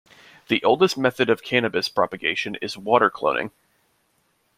The oldest method of cannabis propagation is water cloning.